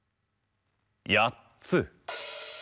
やっつ。